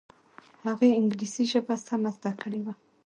هغې انګلیسي ژبه سمه زده کړې وه